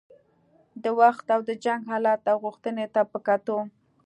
د وخت او د جنګ حالت او غوښتنې ته په کتو.